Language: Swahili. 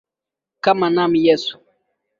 Kaa nami Yesu